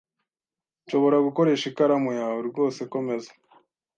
"Nshobora gukoresha ikaramu yawe?" "Rwose komeza."